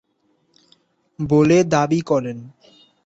বলে দাবি করেন।